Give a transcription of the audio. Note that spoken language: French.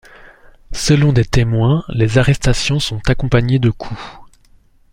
Selon des témoins, les arrestations sont accompagnées de coups.